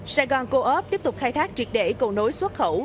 sài gòn cô ốc tiếp tục khai thác triệt để cầu nối xuất khẩu